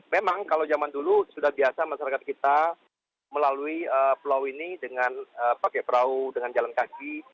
memang kalau zaman dulu sudah biasa masyarakat kita melalui pulau ini dengan pakai perahu dengan jalan kaki